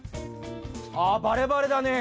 あバレバレだね。